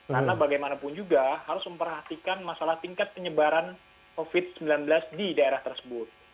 karena bagaimanapun juga harus memperhatikan masalah tingkat penyebaran covid sembilan belas di daerah tersebut